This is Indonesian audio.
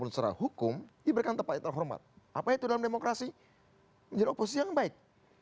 memutuskan hukum diberikan tempat terhormat apa itu dalam dalam demokrasi menjadikan oposisi seorang yang baik